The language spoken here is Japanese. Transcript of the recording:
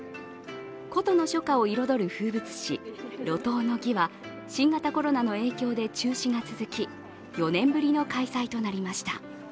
古都の初夏を彩る風物詩、路頭の儀は新型コロナの影響で中止が続き４年ぶりの開催となりました。